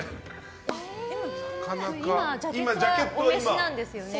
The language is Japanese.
今、ジャケットはお召しなんですよね。